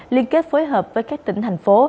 liên kết phối hợp với các tỉnh thành phố